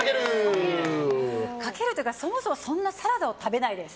かけるというか、そもそもそんなサラダを食べないです。